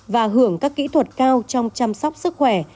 và hưởng các kỹ thuật cao trong chăm sóc sức khỏe